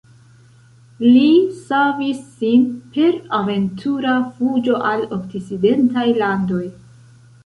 Li savis sin per aventura fuĝo al okcidentaj landoj.